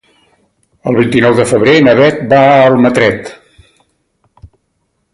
El vint-i-nou de febrer na Bet va a Almatret.